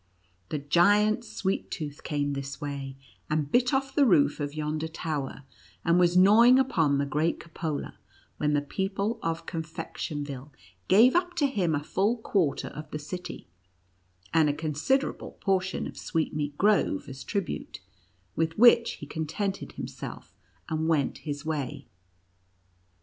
The Giant Sweet tooth came this way, and bit off the roof of yonder tower, and was gnawing upon the great cupola, when the people of Con fection ville gave up to him a full quarter of the city, and a considerable portion of Sweetmeat Grove, as tribute, with which he contented him self, and went his way."